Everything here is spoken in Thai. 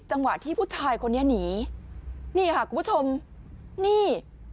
จังหวะที่ผู้ชายคนนี้หนีนี่ค่ะคุณผู้ชมนี่